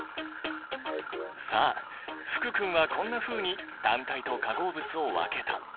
さあ福君はこんなふうに単体と化合物を分けた。